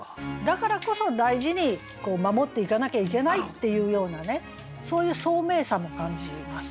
だからこそ大事に守っていかなきゃいけないっていうようなねそういう聡明さも感じますね。